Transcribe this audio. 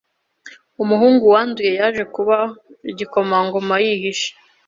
Umuhungu wanduye yaje kuba igikomangoma yihishe.